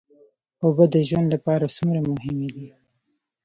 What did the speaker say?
اوبه د ژوند لپاره څومره مهمې دي